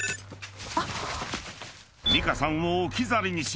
［美香さんを置き去りにし］